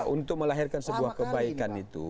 untuk melahirkan sebuah kebaikan itu